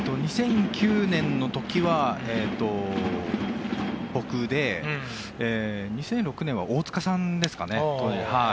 ２００９年の時は僕で２００６年は大塚さんですかね。